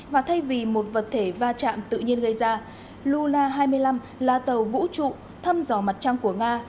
và thay vì một vật thể va chạm tự nhiên gây ra luna hai mươi năm là tàu vũ trụ thăm dò mặt trăng của nga